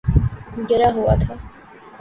گرا ہوا تھا